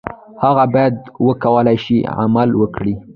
هغه باید وکولای شي عمل وکړي.